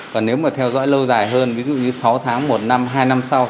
và nếu mà theo dõi lâu dài hơn ví dụ như sáu tháng một năm hai năm sau